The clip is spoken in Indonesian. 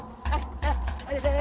aduh aduh aduh